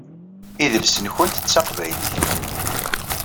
Idles-nkent d taqbaylit.